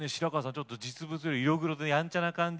ちょっと実物より色黒でやんちゃな感じ？